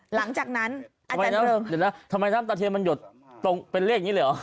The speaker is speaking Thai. หลังจากนั้นอาจารย์เริงเดี๋ยวนะทำไมน้ำตาเทียนมันหยดตรงเป็นเลขอย่างนี้เลยเหรอ